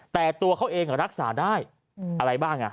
แต่ตัวเขาเองรักษาได้อะไรบ้าง